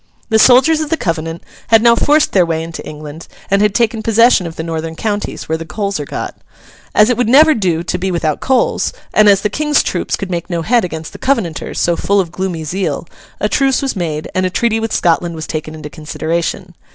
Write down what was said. The soldiers of the Covenant had now forced their way into England and had taken possession of the northern counties, where the coals are got. As it would never do to be without coals, and as the King's troops could make no head against the Covenanters so full of gloomy zeal, a truce was made, and a treaty with Scotland was taken into consideration.